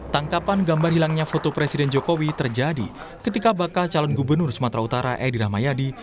tangkapan gambar hilangnya foto presiden jokowi terjadi ketika bakal calon gubernur sumatera utara edi rahmayadi